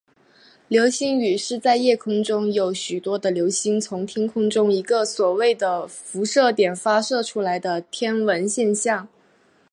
流星雨是在夜空中有许多的流星从天空中一个所谓的辐射点发射出来的天文现象。